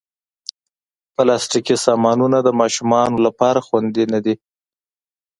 پلاستيکي سامانونه د ماشومانو لپاره خوندې نه دي.